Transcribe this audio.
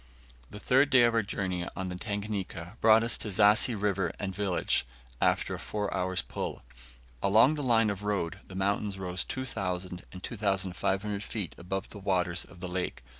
The third day of our journey on the Tanganika brought us to Zassi River and village, after a four hours' pull. Along the line of road the mountains rose 2,000 and 2,500 feet above the waters of the lake.